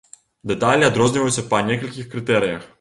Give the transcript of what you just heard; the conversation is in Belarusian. Дэталі адрозніваюць па некалькіх крытэрыях.